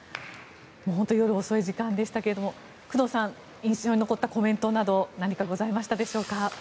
本当に夜遅い時間でしたが工藤さん印象に残ったコメントなど何かございましたでしょうか？